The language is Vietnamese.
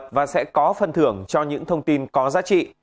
cơ quan cảnh sát sẽ có phân thưởng cho những thông tin có giá trị